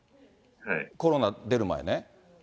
コロナ出る前ね。